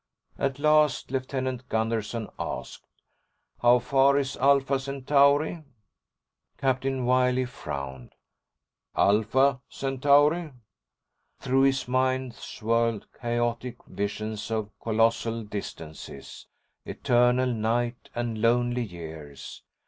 At last Lieutenant Gunderson asked, "How far is Alpha Centauri?" Captain Wiley frowned. "Alpha Centauri?" Through his mind swirled chaotic visions of colossal distances, eternal night, and lonely years.